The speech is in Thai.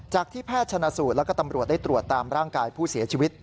ที่แพทย์ชนะสูตรแล้วก็ตำรวจได้ตรวจตามร่างกายผู้เสียชีวิต